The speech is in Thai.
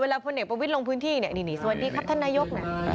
เวลาพ่อเนกประวิทย์ลงพื้นที่นี่สวัสดีครับท่านนายก